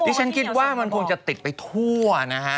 ฉันคิดว่ามันคงจะติดไปทั่วนะฮะ